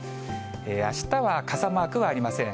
あしたは傘マークはありません。